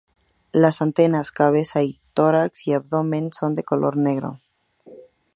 Las antenas, cabeza y tórax y abdomen son de color negro.